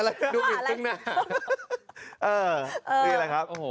อะไรนะดูผิดตึงหน้าเออเออนี่แหละครับโอ้โห